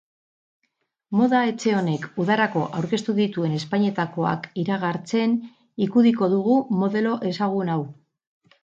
Moda etxe honek udarako aurkeztu dituen ezpainetakoak iragartzen ikudiko dugu modelo ezagun hau.